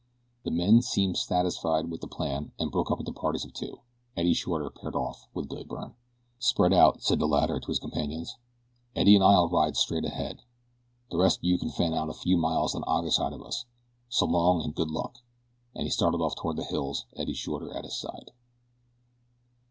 The men seemed satisfied with the plan and broke up into parties of two. Eddie Shorter paired off with Billy Byrne. "Spread out," said the latter to his companions. "Eddie an' I'll ride straight ahead the rest of you can fan out a few miles on either side of us. S'long an' good luck," and he started off toward the hills, Eddie Shorter at his side.